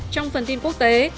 trong phần tin quốc tế